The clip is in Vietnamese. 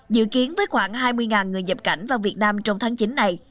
dự kiến với khoảng hai mươi người nhập cảnh vào việt nam trong tháng chín này